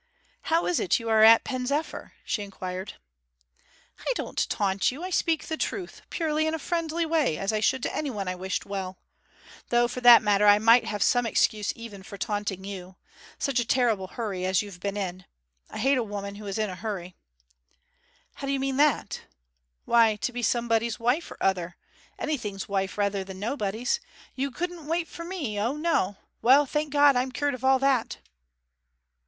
'How is it you are at Pen zephyr?' she inquired. 'I don't taunt you. I speak the truth, purely in a friendly way, as I should to anyone I wished well. Though for that matter I might have some excuse even for taunting you. Such a terrible hurry as you've been in. I hate a woman who is in such a hurry.' 'How do you mean that?' 'Why to be somebody's wife or other anything's wife rather than nobody's. You couldn't wait for me, O, no. Well, thank God, I'm cured of all that!'